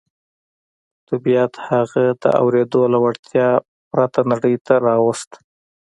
طبيعت هغه د اورېدو له وړتيا پرته نړۍ ته راووست.